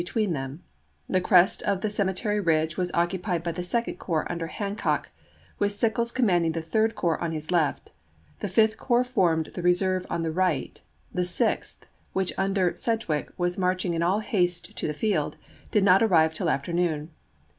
tween them ; the crest of the Cemetery Ridge was occupied by the Second Corps, under Hancock, with Sickles commanding the Third Corps on his left; the Fifth Corps formed the reserve on the right; the Sixth, which, under Sedgwick, was marching in all haste to the field, did not arrive till afternoon.